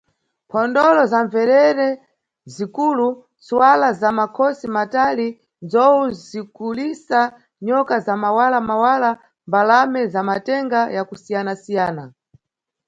Mphondolo za mbverere zikulu, ntswala za makhosi matali, nzowu zikulisa, nyoka za mawala-mawala, mbalame za matenga yakusiyana-siyana .